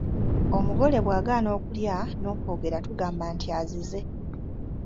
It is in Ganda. Omugole bw’agaana okulya n’okwogera tugamba nti azize.